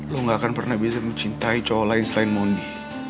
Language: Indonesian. lo gak akan pernah bisa mencintai co lain selain mundi